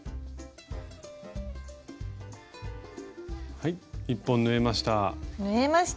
はい１本縫えました。